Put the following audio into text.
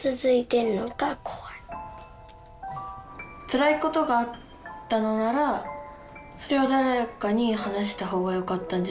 つらいことがあったのならそれを誰かに話した方がよかったんじゃないかなって思います。